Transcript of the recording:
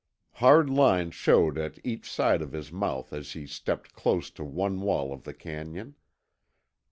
Hard lines showed at each side of his mouth as he stepped close to one wall of the canyon.